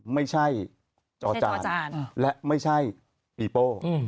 ไม่ใช่จอจานและไม่ใช่ปีโป้